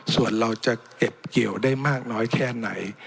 ส่วนเราจะเก็บเกี่ยวได้มากน้อยแค่ไหน